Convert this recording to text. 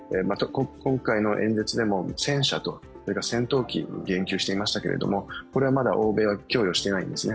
今回の演説でも戦車と戦闘機に言及していましたけどこれはまだ欧米は供与していないんですね。